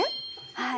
はい。